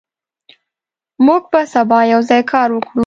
موږ به سبا یوځای کار وکړو.